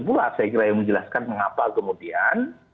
pula saya kira yang menjelaskan mengapa kemungkinan